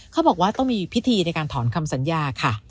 เขาบอกว่าต้องมีพิธีในการถอนคำสัญญาค่ะ